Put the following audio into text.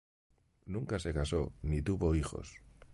Nunca se casó, ni tuvo hijos.